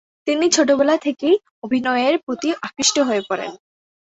তিনি ছোটবেলা থেকেই অভিনয়ের প্রতি আকৃষ্ট হয়ে পড়েন।